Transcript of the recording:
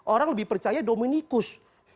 orang lebih percaya dominikus